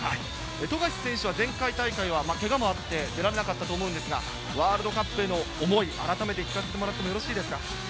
富樫選手は前回大会はけがもあって出られなかったと思うんですが、ワールドカップへの思い、改めて聞かせてもらってもよろしいですか？